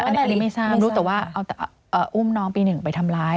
อันนี้ไม่ทราบรู้แต่ว่าอุ้มน้องปี๑ไปทำร้าย